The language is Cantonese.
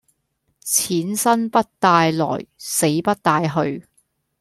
錢生不帶來死不帶去